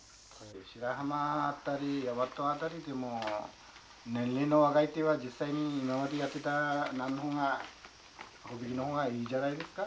白浜辺り八幡辺りでも年齢の若い手は実際に今までやってたの方が帆引きの方がいいんじゃないですか。